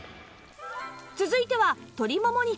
続いては鶏もも肉